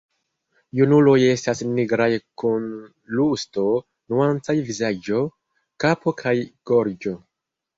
Junuloj estas nigraj kun rusto-nuancaj vizaĝo, kapo kaj gorĝo.